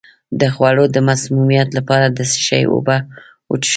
د خوړو د مسمومیت لپاره د څه شي اوبه وڅښم؟